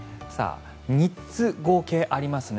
３つ合計ありますね。